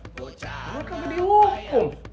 lu kan udah diungung